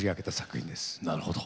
なるほど。